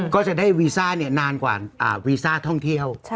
ก็จะได้วีซ่านานกว่าวีซ่าท่องเที่ยว